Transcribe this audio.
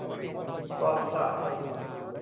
ก่อนสระผม